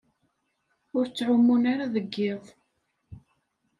Ur ttɛumun ara deg iḍ.